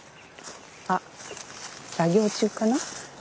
あ作業中かな？